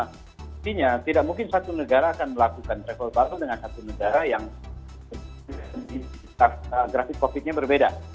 artinya tidak mungkin satu negara akan melakukan travel bubble dengan satu negara yang grafik covid nya berbeda